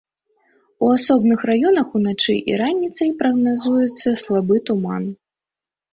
У асобных раёнах уначы і раніцай прагназуецца слабы туман.